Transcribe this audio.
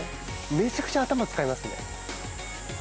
めちゃくちゃ頭を使いますね。